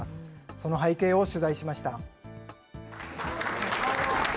その背景を取材しました。